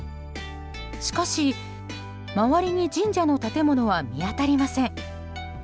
しかし、周りに神社の建物は見当たりません。